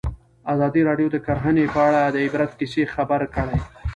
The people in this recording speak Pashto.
ازادي راډیو د کرهنه په اړه د عبرت کیسې خبر کړي.